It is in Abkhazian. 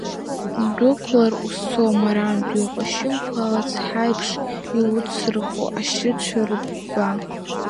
Удәықәлар узцома арантәи уҟьашьымкәа, алацҳаиԥш иуцрыхо ашьыццәа рыԥба.